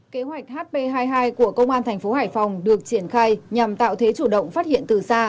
kế hoạch hp hai mươi hai của công an thành phố hải phòng được triển khai nhằm tạo thế chủ động phát hiện từ xa